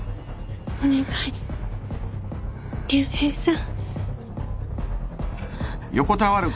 お願い竜兵さん